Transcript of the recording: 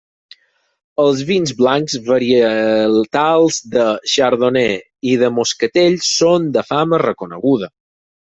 Els vins blancs varietals de chardonnay i de moscatell són de fama reconeguda.